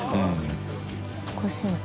おかしいな。